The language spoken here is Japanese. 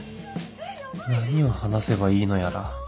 何を話せばいいのやら